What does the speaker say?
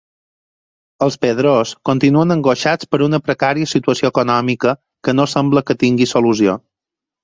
Els Pedrós viuen angoixats per una precària situació econòmica que no sembla que tingui solució.